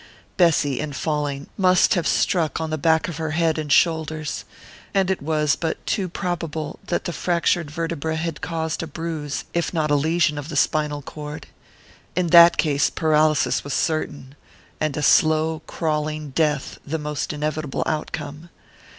Bessy, in falling, must have struck on the back of her head and shoulders, and it was but too probable that the fractured vertebra had caused a bruise if not a lesion of the spinal cord. In that case paralysis was certain and a slow crawling death the almost inevitable outcome.